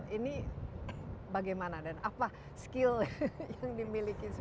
ini bagaimana dan apa skill yang dimiliki sebagai pelaut